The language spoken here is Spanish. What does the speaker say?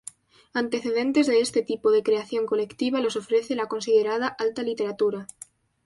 Antecedentes de este tipo de creación colectiva los ofrece la considerada "alta literatura".